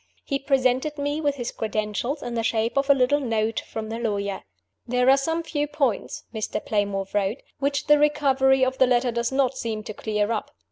He presented me with his credentials in the shape of a little note from the lawyer. "There are some few points" (Mr. Playmore wrote) "which the recovery of the letter does not seem to clear up.